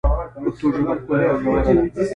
پښتو ژبه ښکلي او ژوره ده.